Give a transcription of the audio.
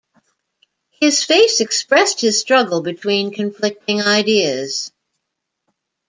His face expressed his struggle between conflicting ideas.